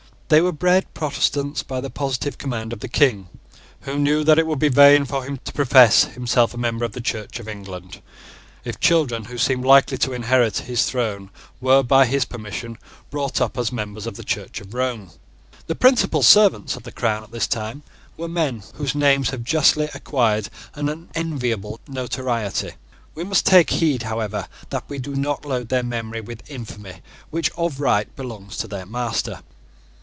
They were bred Protestants by the positive command of the King, who knew that it would be vain for him to profess himself a member of the Church of England, if children who seemed likely to inherit his throne were, by his permission, brought up as members of the Church of Rome. The principal servants of the crown at this time were men whose names have justly acquired an unenviable notoriety. We must take heed, however, that we do not load their memory with infamy which of right belongs to their master.